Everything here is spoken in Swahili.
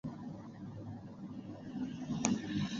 Kwa pamoja wamefanikiwa kupata watoto watano